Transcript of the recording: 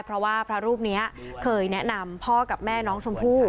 เพราะว่าพระรูปนี้เคยแนะนำพ่อกับแม่น้องชมพู่